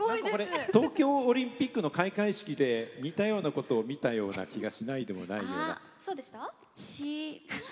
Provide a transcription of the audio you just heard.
東京オリンピックの開会式で似たようなことを見たような気がしないでもないような。